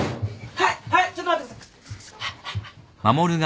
はいはいちょっと待ってください。